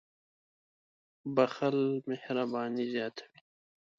• بښل مهرباني زیاتوي.